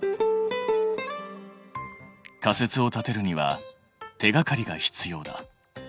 仮説を立てるには手がかりが必要だ。